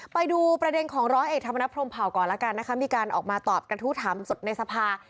ไปดูประเด็นของร้อยเอกธรรมนพรมเผาก่อนแล้วกันนะคะมีการออกมาตอบกระทู้ถามสดในสภา